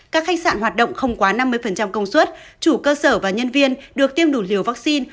các khách sạn hoạt động không quá năm mươi công suất chủ cơ sở và nhân viên được tiêm đủ liều vaccine